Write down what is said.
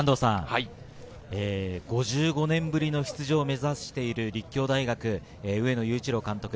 ５５年ぶりの出場を目指している立教大学、上野裕一郎監督。